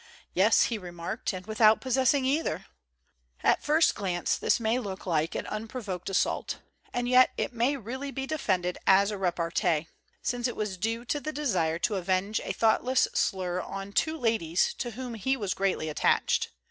"Yes," he remarked, "and without pos sessing either." At first glance this may look like an unprovoked assault; and yet it may really be defended as a repartee, since it was due to the desire to avenge a thoughtless slur on two ladies to whom he was greatly attracted.